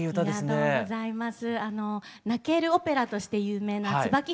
ありがとうございます。